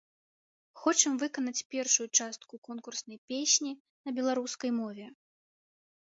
Хочам выканаць першую частку конкурснай песні на беларускай мове.